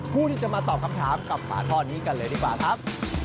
ผู้ที่จะมาตอบคำถามกับฝาท่อนี้กันเลยดีกว่าครับ